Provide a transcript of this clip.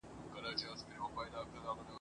د څپو غېږته قسمت وو غورځولی !.